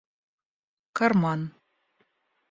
карман